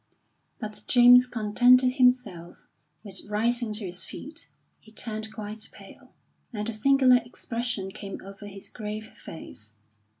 But James contented himself with rising to his feet; he turned quite pale, and a singular expression came over his grave face.